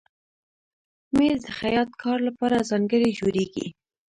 مېز د خیاط کار لپاره ځانګړی جوړېږي.